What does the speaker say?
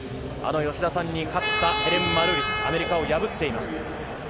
吉田さんに勝ったヘレン・マルーリス、アメリカを破っています。